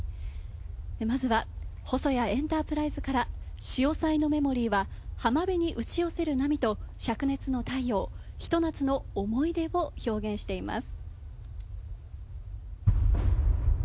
まずは、ホソヤエンタープライズから潮騒のメモリーは浜辺に打ち寄せる波と灼熱の太陽、ひと夏の思い出を表現しています。